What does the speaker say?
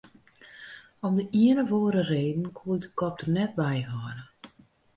Om de ien of oare reden koe ik de kop der net by hâlde.